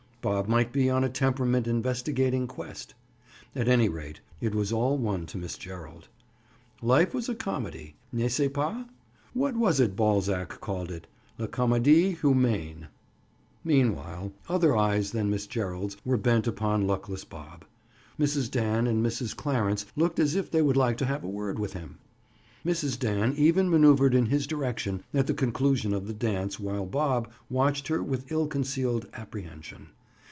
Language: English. Bob might be on a temperament investigating quest. At any rate, it was all one to Miss Gerald. Life was a comedy. N'est ce pas? What was it Balzac called it? La Comedie Humaine. Meanwhile, other eyes than Miss Gerald's were bent upon luckless Bob. Mrs. Dan and Mrs. Clarence looked as if they would like to have a word with him. Mrs. Dan even maneuvered in his direction at the conclusion of the dance while Bob watched her with ill concealed apprehension.